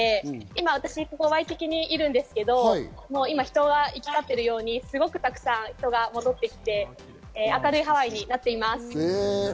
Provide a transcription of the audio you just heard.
今、私ワイキキにいるんですけど人が行きかっているように、すごくたくさん人が戻ってきて、明るいハワイになっています。